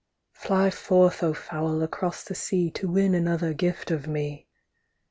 Fly forth, O fowl, across the sea To win another gift of me.